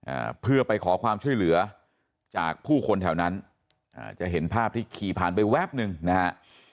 อ่าเพื่อไปขอความช่วยเหลือจากผู้คนแถวนั้นอ่าจะเห็นภาพที่ขี่ผ่านไปแวบหนึ่งนะฮะ